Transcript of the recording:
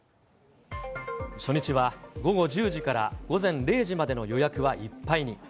初日は午後１０時から午前０時までの予約はいっぱいに。